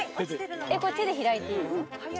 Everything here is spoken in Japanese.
これ手で開いていいの？